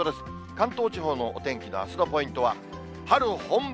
関東地方のお天気のあすのポイントは、春本番。